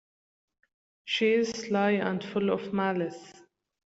She is sly and full of malice.